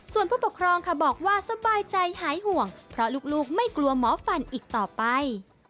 ส่วนผู้ปกครองค่ะบอกว่าสบายใจหายห่วงเพราะลูกไม่กลัวหมอฟันอีกต่อไป